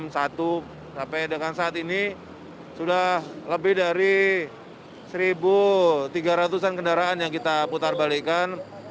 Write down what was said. sampai dengan saat ini sudah lebih dari satu tiga ratus an kendaraan yang kita putar balikan